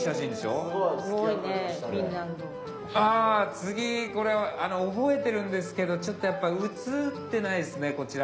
次これ覚えてるんですけどちょっとやっぱ写ってないですねこちら。